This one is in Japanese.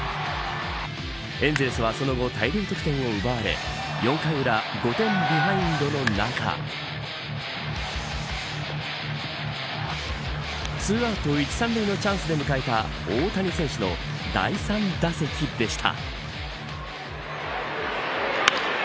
エンゼルスはその後大量得点を奪われ４回裏５点ビハインドの中２アウト１、３塁のチャンスで迎えた大谷選手の第３打席でした。